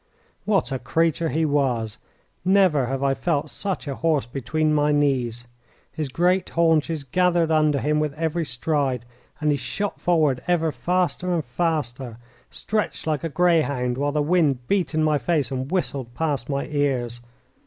What a creature he was! Never have I felt such a horse between my knees. His great haunches gathered under him with every stride, and he shot forward ever faster and faster, stretched like a greyhound, while the wind beat in my face and whistled past my ears.